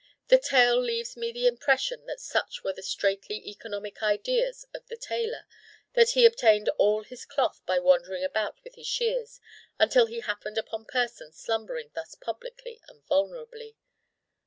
The tale leaves me the impression that such were the straitly economic ideas of the tailor that he obtained all his cloth by wandering about with his shears until he happened upon persons slumbering thus publicly and vulnerably.